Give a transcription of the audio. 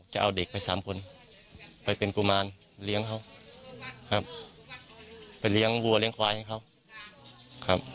จะเอาเด็กไปสามคนไปเป็นกุมารเลี้ยงเขาครับไปเลี้ยงวัวเลี้ยควายให้เขาครับ